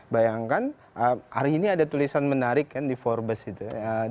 bayangkan hari ini ada tulisan menarik kan di forbes itu